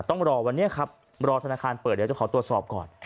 ต้องรอวันนี้ครับรอธนาคารเปิดเดี๋ยวจะขอตรวจสอบก่อน